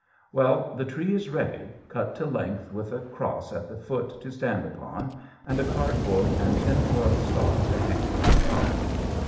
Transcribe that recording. Well, the tree is ready, cut to length with a cross at the foot to stand upon, and a cardboard and tin foil star to hang at its top.